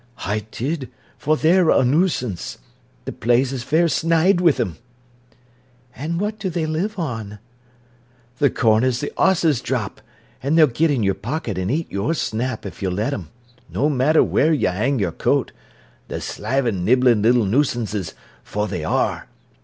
"I did, for they're a nuisance. The place is fair snied wi' 'em." "An' what do they live on?" "The corn as the 'osses drops—an' they'll get in your pocket an' eat your snap, if you'll let 'em—no matter where yo' hing your coat—the slivin', nibblin' little nuisances, for they are."